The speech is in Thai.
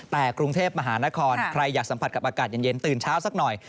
แต่กรุงเทพมหานครใครอยากสัมผัสกับอากาศเย็นตื่นเช้าสักหน่อย